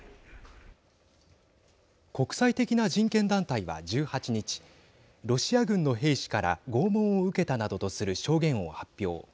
国際的な人権団体は１８日ロシア軍の兵士から拷問を受けたなどとする証言を発表。